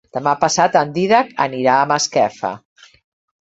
Demà passat en Dídac anirà a Masquefa.